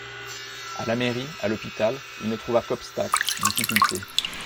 À la mairie, à l'hôpital, il ne trouva qu'obstacles, difficultés.